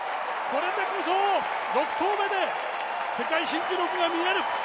これでこそ６投目で世界新記録が見える。